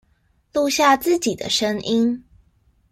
錄下自己的聲音